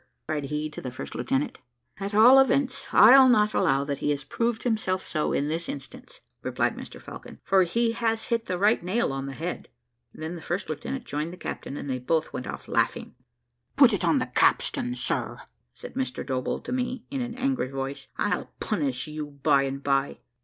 cried he to the first lieutenant. "At all events, I'll not allow that he has proved himself so in this instance," replied Mr Falcon, "for he has hit the right nail on the head." Then the first lieutenant joined the captain, and they both went off laughing. "Put it on the capstan, sir," said Mr Doball to me, in an angry voice. "I'll punish you by and by."